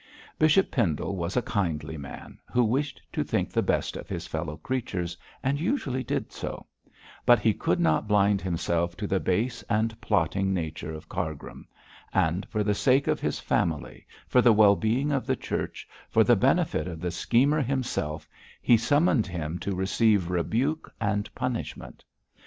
Bishop Pendle was a kindly man, who wished to think the best of his fellow creatures, and usually did so; but he could not blind himself to the base and plotting nature of Cargrim; and, for the sake of his family, for the well being of the Church, for the benefit of the schemer himself, he summoned him to receive rebuke and punishment.